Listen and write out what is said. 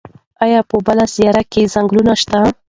ایا په بله سیاره کې ځنګلونه شته؟